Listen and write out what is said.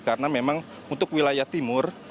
karena memang untuk wilayah timur